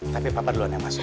tapi papa duluan yang masuk